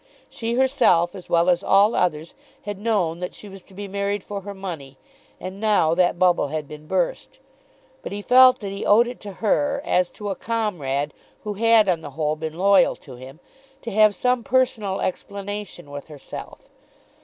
She herself, as well as all others, had known that she was to be married for her money, and now that bubble had been burst. But he felt that he owed it to her, as to a comrade who had on the whole been loyal to him, to have some personal explanation with herself.